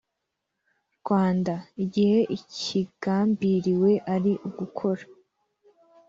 rwanda igihe ikigambiriwe ari ugukora